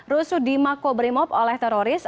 rusu di mako brimob oleh teroris